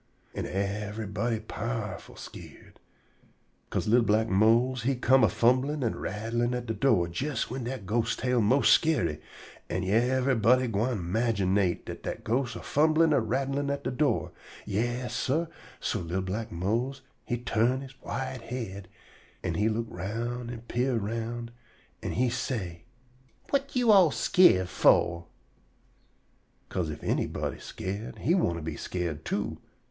an' yever'body powerful skeered. 'Ca'se li'l black Mose he come a fumblin' an' a rattlin' at de do' jes whin dat ghost tale mos' skeery, an' yever'body gwine imaginate dat de ghost a fumblin' an' a rattlin' at de do'. Yas, sah. So li'l black Mose he turn he white head, an' he look roun' an' peer roun', an' he say: "Whut you all skeered fo'?" 'Ca'se ef anybody skeered, he want to be skeered, too.